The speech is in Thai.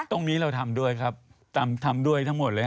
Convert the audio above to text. ตรงนี้เราทำด้วยครับทำด้วยทั้งหมดเลยฮ